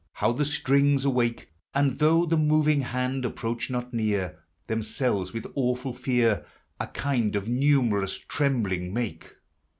how the strings awake : And, though the moving hand approach not near, Themselves with awful fear A kind of numerous trembling make.